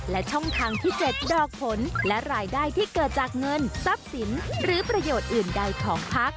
และช่องทางที่๗ดอกผลและรายได้ที่เกิดจากเงินทรัพย์สินหรือประโยชน์อื่นใดของพัก